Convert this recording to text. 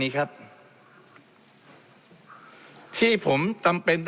ในการที่จะระบายยาง